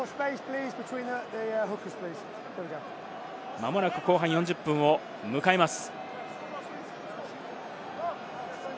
まもなく後半４０分を迎えます。